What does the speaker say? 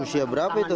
usia berapa itu